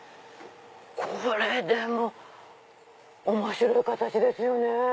これでも面白い形ですよね。